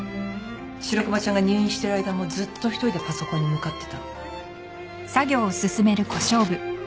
白熊ちゃんが入院してる間もずっと一人でパソコンに向かってた。